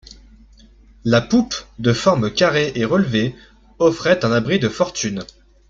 La poupe, de forme carrée et relevée, offrait un abri de fortune.